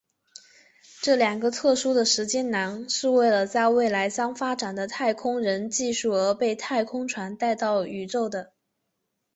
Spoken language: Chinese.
这两个特殊的时间囊是为了在未来将发展的太空人技术而被太空船带到宇宙的。